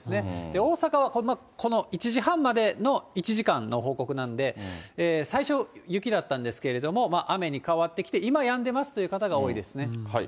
大阪は、この１時半までの１時間の報告なんで、最初、雪だったんですけども、雨に変わってきて、今やんでますという方が多いですね。